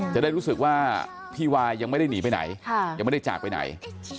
จะได้รู้สึกว่าพี่วายยังไม่ได้หนีไปไหนยังไม่ได้จากไปไหน